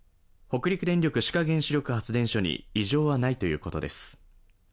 北陸電力志賀原子力発電所に異常はないということです。